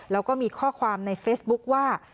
แล้วก็มีข้อความในเฟซบุ๊คว่า